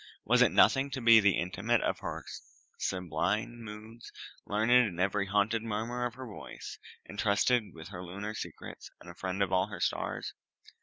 Was it nothing to be the intimate of all her sibylline moods, learned in every haunted murmur of her voice, intrusted with her lunar secrets, and a friend of all her stars?